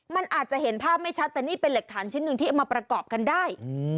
มันอาจจะเห็นภาพไม่ชัดแต่นี่เป็นหลักฐานชิ้นหนึ่งที่เอามาประกอบกันได้